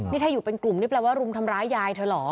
นี่ถ้าอยู่เป็นกลุ่มนี่แปลว่ารุมทำร้ายยายเธอเหรอ